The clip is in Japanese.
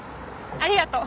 ありがとう。